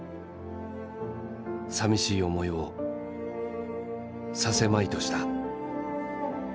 寂しい思いをさせまいとした。